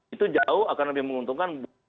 itu jauh akan lebih menguntungkan